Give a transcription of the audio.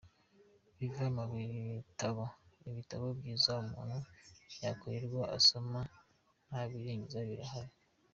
Biva mu bitabo; ibitabo byiza umuntu yakwirirwa asoma ntabirangize birahari.